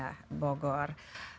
marisa nanti kita berbicara